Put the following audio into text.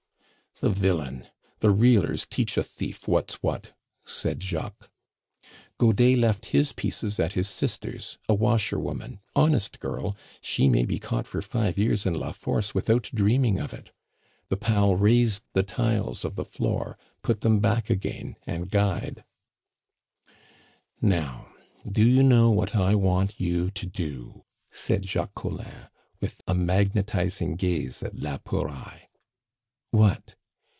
"The villain! The reelers teach a thief what's what," said Jacques. "Godet left his pieces at his sister's, a washerwoman; honest girl, she may be caught for five years in La Force without dreaming of it. The pal raised the tiles of the floor, put them back again, and guyed." "Now do you know what I want you to do?" said Jacques Collin, with a magnetizing gaze at la Pouraille. "What?"